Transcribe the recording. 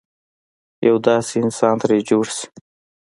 یو داسې انسان ترې جوړ شي.